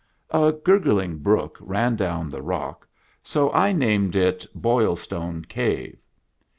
A gurgling brook ran down the rock, so I named it " Boilstone Cave."